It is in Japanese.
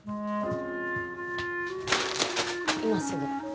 今すぐ。